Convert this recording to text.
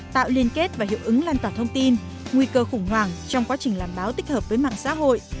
tạo liên kết và hiệu ứng lan tỏa thông tin nguy cơ khủng hoảng trong quá trình làm báo tích hợp với mạng xã hội